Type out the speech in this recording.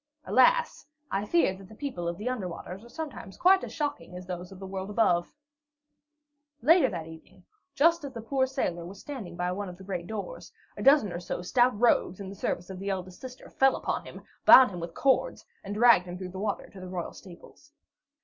Alas, I fear that the people of the under waters are sometimes quite as shocking as those of the world above. Later that evening, just as the poor sailor was standing by one of the great doors, a dozen or so stout rogues in the service of the eldest sister fell upon him, bound him with cords, and dragged him through the water to the royal stables.